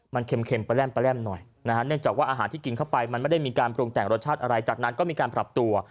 มันเค็มประแร่มหน่อยนะฮะเนื่องจากว่าอาหารที่กินเข้าไปมันไม่ได้มีการปรุงแต่งรสชาติอะไรจากนั้นก็มีการปรับตัว